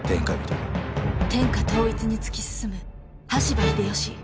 天下統一に突き進む羽柴秀吉。